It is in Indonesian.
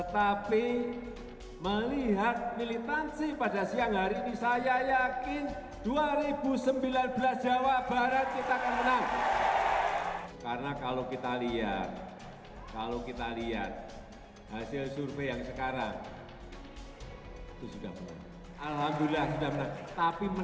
tapi menangnya tipis banget